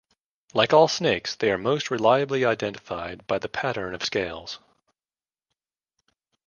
Like all snakes, they are most reliably identified by the pattern of scales.